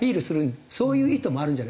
そういう意図もあるんじゃないかと。